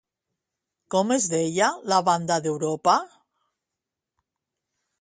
Com es deia la banda d'Europa?